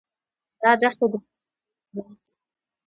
دا دښتې د جغرافیوي تنوع مثال دی.